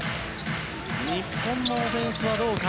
日本のオフェンスはどうか。